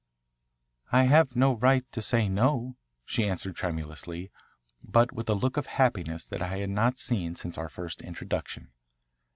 "I have no right to say no," she answered tremulously, but with a look of happiness that I had not seen since our first introduction.